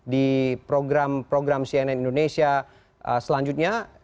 di program program cnn indonesia selanjutnya